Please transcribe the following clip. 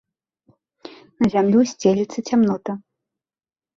На зямлю сцелецца цямнота.